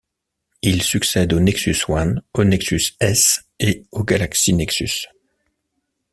Il succède au Nexus One, au Nexus S et au Galaxy Nexus.